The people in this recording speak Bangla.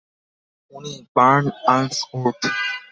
উনি ভার্ন আন্সওর্থ।